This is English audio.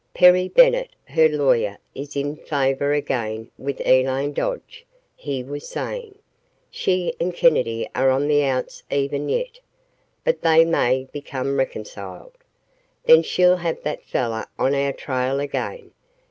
"Perry Bennett, her lawyer, is in favor again with Elaine Dodge," he was saying. "She and Kennedy are on the outs even yet. But they may become reconciled. Then she'll have that fellow on our trail again.